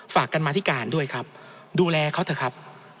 ฝากกันมาธิการด้วยครับดูแลเขาเถอะครับ